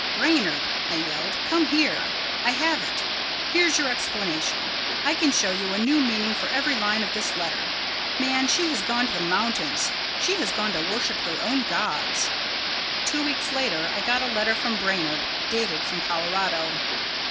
"Brainard," I yelled, "come here! I have it. Here's your explanation. I can show you a new meaning for every line of this letter. Man, she has gone to the mountains. She has gone to worship her own gods!" Two weeks later I got a letter from Brainard, dated from Colorado.